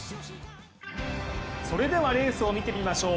それではレースを見てみましょう。